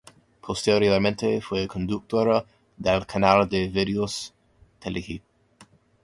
Posteriormente fue conductora del canal de videos Telehit.